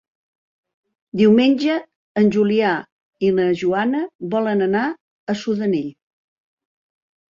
Diumenge en Julià i na Joana volen anar a Sudanell.